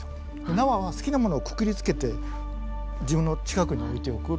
縄は好きなものをくくりつけて自分の近くに置いておく。